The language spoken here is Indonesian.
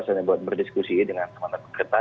saya ingin berdiskusi dengan teman teman